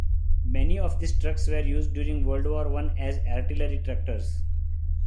Many of these trucks were used during World War One as artillery tractors.